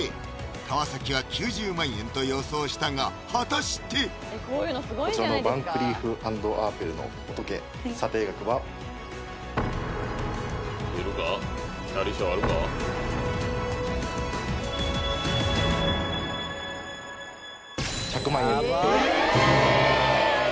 川崎は９０万円と予想したが果たしてこちらのヴァンクリーフ＆アーペルのお時計査定額は１００万円え！